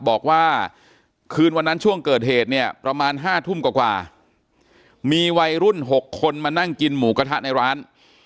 บอกว่าคืนวันนั้นช่วงเกิดเหตุเนี่ยประมาณ๕ทุ่มกว่ามีวัยรุ่น๖คนมานั่งกินหมูกระทะในร้าน